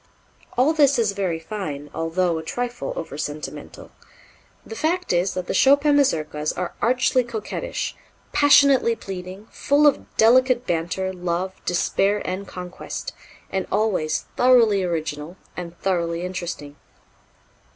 All this is very fine, although a trifle over sentimental. The fact is that the Chopin Mazurkas are archly coquettish, passionately pleading, full of delicate banter, love, despair and conquest and always thoroughly original and thoroughly interesting.